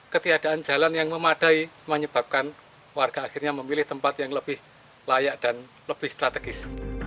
ketiadaan jalan yang memadai menyebabkan warga akhirnya memilih tempat yang lebih layak dan lebih strategis